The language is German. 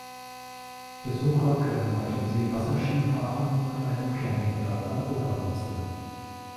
Besucher können auf dem See Wasserski fahren und einen Campingplatz am Ufer nutzen.